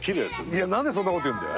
いや何でそんなこと言うんだよ。